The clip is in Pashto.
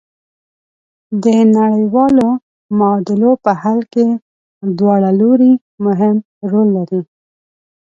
د نړیوالو معادلو په حل کې دواړه لوري مهم رول لري.